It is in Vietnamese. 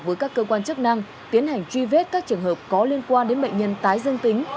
với các cơ quan chức năng tiến hành truy vết các trường hợp có liên quan đến bệnh nhân tái dương tính